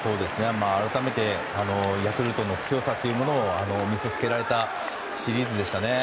改めてヤクルトの強さを見せつけられたシリーズでしたね。